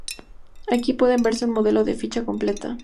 Aquí puede verse un modelo de ficha completa.